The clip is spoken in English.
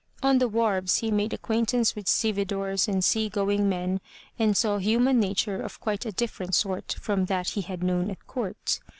On the wharves he made acquaintance with stevedores and sea going men and saw human nature of quite a different sort from that he had known at court.